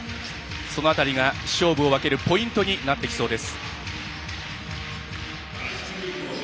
その辺りが勝負を分けるポイントになってきそうです。